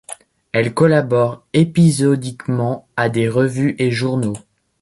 Elle collabore épisodiquement à des revues et journaux.